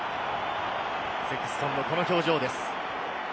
セクストンもこの表情です。